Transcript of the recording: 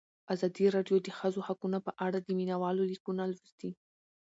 ازادي راډیو د د ښځو حقونه په اړه د مینه والو لیکونه لوستي.